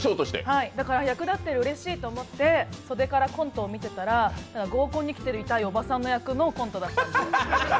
だから役立ってうれしいと思って、それからコントを見てたら合コンに来ている痛いおばさんの役のコントだったんです。